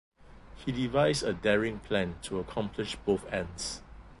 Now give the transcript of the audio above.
He devised a daring plan to accomplish both ends.